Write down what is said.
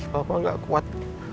papa gak kuat